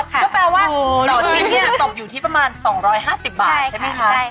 ก็แปลว่าต่อชิ้นเนี่ยตกอยู่ที่ประมาณ๒๕๐บาทใช่ไหมคะ